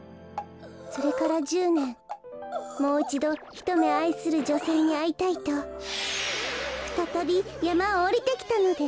それから１０ねんもういちどひとめあいするじょせいにあいたいとふたたびやまをおりてきたのです。